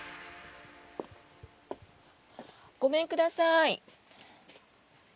ごめんください。